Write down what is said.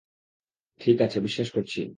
ঠিক আছে, বিশ্বাস করছি।